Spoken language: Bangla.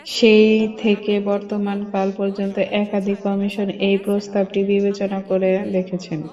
সেই থেকে বর্তমান কাল পর্যন্ত একাধিক কমিশন এই প্রস্তাবটি বিবেচনা করে দেখেছেন।